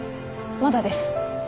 まだです。